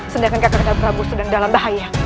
sedangkan kandap prabu sedang dalam bahaya